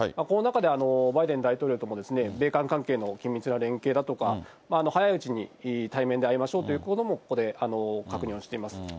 この中でバイデン大統領とも、米韓関係の緊密な連携だとか、早いうちに対面で会いましょうということも、ここで確認をしています。